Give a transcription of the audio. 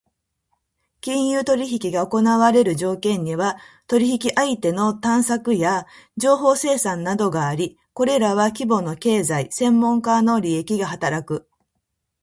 金融取引が行われる条件には、取引相手の探索や情報生産などがあり、これらは規模の経済・専門家の利益が働く。